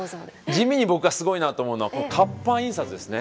地味に僕がすごいなと思うのは活版印刷ですね。